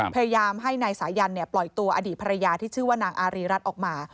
พยายามให้นายสายันปล่อยตัวอดีตภรรยาที่ชื่อว่านางอารีรัฐออกมา